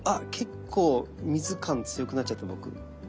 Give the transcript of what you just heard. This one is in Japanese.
結構水感強くなっちゃった僕。